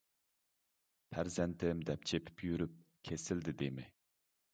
پەرزەنتىم دەپ چېپىپ يۈرۈپ كېسىلدى دېمى.